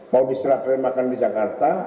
mau diserak remakan di jakarta